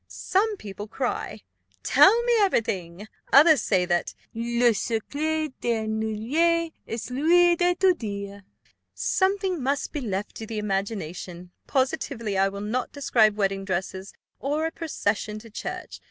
Some people cry, 'Tell me every thing;' others say, that, 'Le secret d'ennuyer est celui de tout dire.'" "Something must be left to the imagination. Positively I will not describe wedding dresses, or a procession to church.